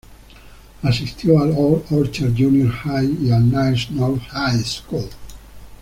Asistió al Old Orchard Junior High y al Niles North High School.